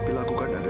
mila kamu tenang ya